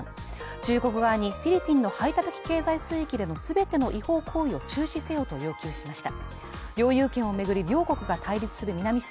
中国側にフィリピンの排他的経済水域での全ての違法行為を中止せよと要求しました。